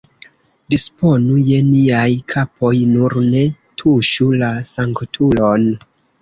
Disponu je niaj kapoj, nur ne tuŝu la sanktulon!